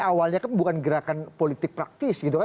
awalnya kan bukan gerakan politik praktis ya